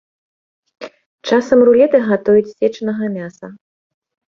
Часам рулеты гатуюць з сечанага мяса.